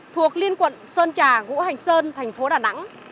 thuộc liên quận sơn trà ngũ hành sơn thành phố đà nẵng